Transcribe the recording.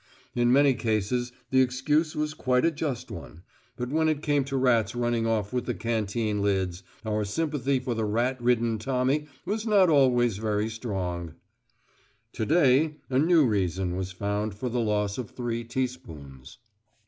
In many cases the excuse was quite a just one; but when it came to rats running off with canteen lids, our sympathy for the rat ridden Tommy was not always very strong. To day, a new reason was found for the loss of three teaspoons.